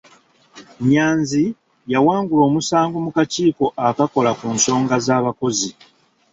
Nyanzi yawangula omusango mu kakiiko akakola ku nsonga z'abakozi.